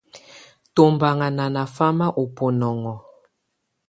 Tɔbanŋa nana famáa ɔ bɔnɔŋɔ.